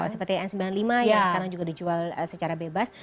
seperti n sembilan puluh lima yang sekarang juga dijual secara bebas